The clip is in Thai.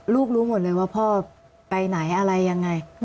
รู้หมดเลยว่าพ่อไปไหนอะไรยังไง